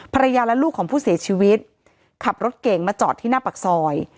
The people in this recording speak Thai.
ภรรยาและลูกของผู้เสียชีวิตขับรถเก่งมาจอดที่หน้าปากซอย